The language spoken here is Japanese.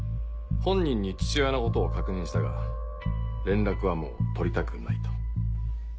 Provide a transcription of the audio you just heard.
本人に父親のことを確認したが連絡はもう取りたくないと。